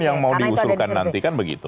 yang mau diusulkan nanti kan begitu